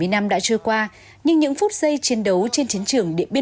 bảy mươi năm đã trôi qua nhưng những phút giây chiến đấu trên chiến trường